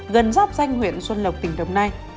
gần dọc danh huyện xuân lộc tỉnh đồng nai